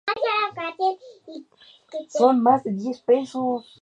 El clan Kishu-Tokugawa conservó el territorio hasta la restauración Meiji.